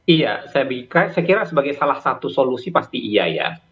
iya saya kira sebagai salah satu solusi pasti iya ya